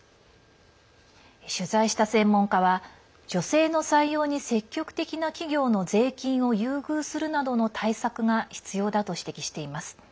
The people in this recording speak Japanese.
取材した専門家は女性の採用に積極的な企業の税金を優遇するなどの対策が必要だと指摘しています。